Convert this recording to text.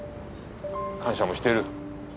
感謝もしている。